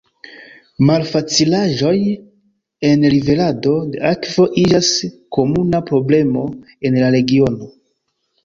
Malfacilaĵoj en liverado de akvo iĝas komuna problemo en la regiono.